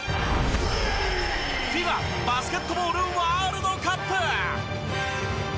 ＦＩＢＡ、バスケットボールワールドカップ。